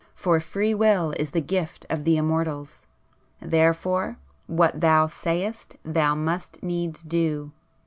For Free will is the gift of the Immortals; therefore what thou sayest, thou must needs do!